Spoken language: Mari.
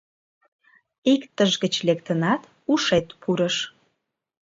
Иктыж гыч лектынат — ушет пурыш.